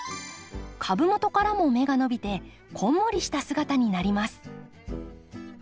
株元からも芽が伸びてこんもりした姿になります。